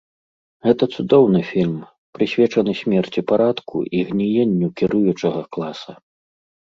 Гэта цудоўны фільм, прысвечаны смерці парадку і гніенню кіруючага класа.